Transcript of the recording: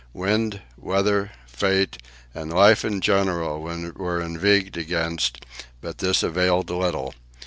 Wind, weather, fate, and life in general were inveighed against, but this availed little.